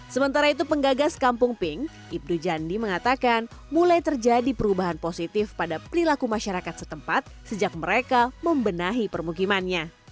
sementara itu penggagas kampung pink ibdu jandi mengatakan mulai terjadi perubahan positif pada perilaku masyarakat setempat sejak mereka membenahi permukimannya